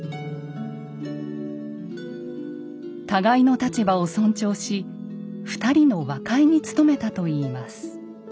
互いの立場を尊重し２人の和解に努めたといいます。